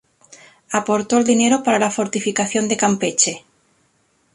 Aportó el dinero para la fortificación de Campeche.